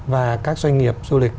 và các doanh nghiệp du lịch